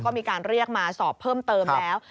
ก็มีการเรียกมาสอบเพิ่มเติมแล้ว